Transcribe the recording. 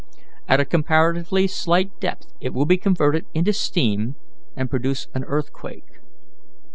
At a comparatively slight depth it will be converted into steam and produce an earthquake.